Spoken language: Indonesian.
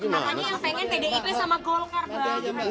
makanya yang pengen pdip sama golkar bang